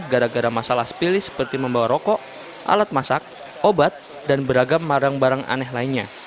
gara gara masalah sepilih seperti membawa rokok alat masak obat dan beragam barang barang aneh lainnya